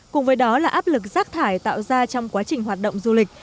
cùng với đó là áp lực rác thải tạo ra trong quá trình hoạt động du lịch